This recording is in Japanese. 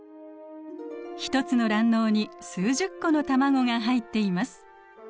１つの卵嚢に数十個の卵が入っています。